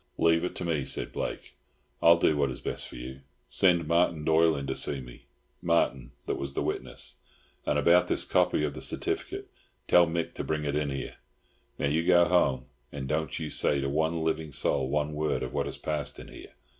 "Leave it to me," said Blake. "I'll do what is best for you. Send Martin Doyle in to see me, Martin that was the witness. And about this copy of the certificate, tell Mick to bring it in here. Now you go home, and don't you say to one living soul one word of what has passed in here.